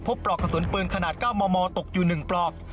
ปลอกกระสุนปืนขนาด๙มมตกอยู่๑ปลอก